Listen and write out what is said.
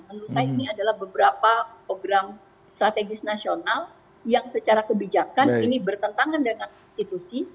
menurut saya ini adalah beberapa program strategis nasional yang secara kebijakan ini bertentangan dengan konstitusi